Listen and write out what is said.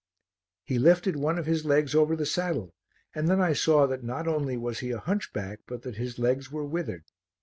He lifted one of his legs over the saddle, and then I saw that not only was he a hunchback but that his legs were withered.